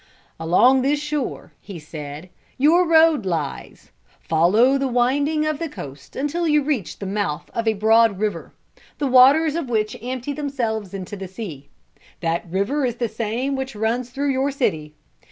"Along this shore," he said, "your road lies. Follow the winding of the coast until you reach the mouth of a broad river, the waters of which empty themselves into the sea. That river is the same which runs through your city.